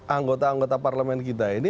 anggota anggota parlemen kita ini